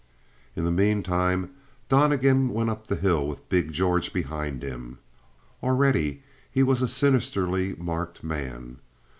In the meantime, Donnegan went up the hill with big George behind him. Already he was a sinisterly marked man.